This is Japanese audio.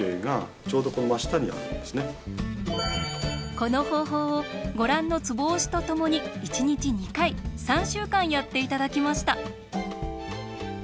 この方法をご覧のツボ押しとともに１日２回３週間やって頂きました。